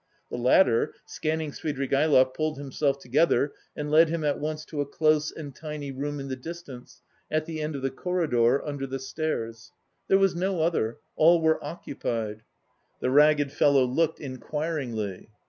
The latter, scanning Svidrigaïlov, pulled himself together and led him at once to a close and tiny room in the distance, at the end of the corridor, under the stairs. There was no other, all were occupied. The ragged fellow looked inquiringly.